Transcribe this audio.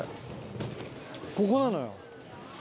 ここなのよ。